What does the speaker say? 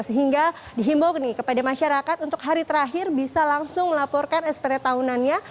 sehingga dihimbau kepada masyarakat untuk hari terakhir bisa langsung melaporkan spt tahunannya